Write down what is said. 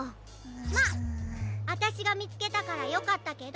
まああたしがみつけたからよかったけど。